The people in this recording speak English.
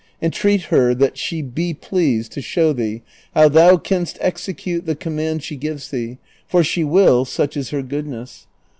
Entreat her that she be pleased to show thee how thou canst execute the command she gives thee, for she will, such is her goodness.